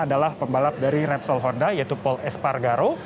adalah pembalap dari repsol honda yaitu paul espargaro